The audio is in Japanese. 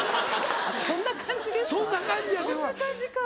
そんな感じですか？